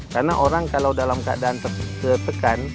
karena orang kalau dalam keadaan tertekan